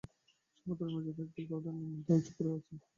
সমুদ্রের মেঝেতে একদল গার্ডেন ঈল মাথা উঁচু করে আছে।